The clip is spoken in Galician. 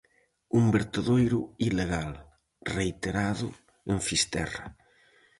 Un vertedoiro ilegal, reiterado, en Fisterra.